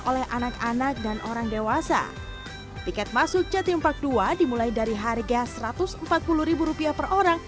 oleh anak anak dan orang dewasa tiket masuk jati empat puluh dua dimulai dari harga satu ratus empat puluh rupiah per orang